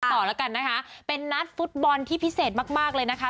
ต่อแล้วกันนะคะเป็นนัดฟุตบอลที่พิเศษมากมากเลยนะคะ